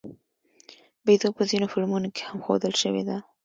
بیزو په ځینو فلمونو کې هم ښودل شوې ده.